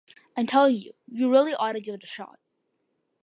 I'm telling you, you really oughta give it a shot.